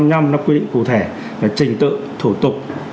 nó quy định cụ thể trình tự thủ tục